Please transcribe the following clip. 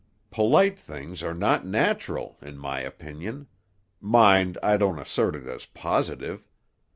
Polite things are not natural, in my opinion; mind I don't assert it as positive.